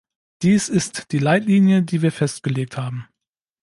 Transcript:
Dies ist die Leitlinie, die wir festgelegt haben.